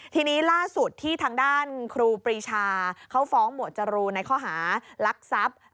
ทีนี้ล่าสุดที่ทางด้านครูปรีชาเขาฟ้องหมวดจรูนในข้อหารักทรัพย์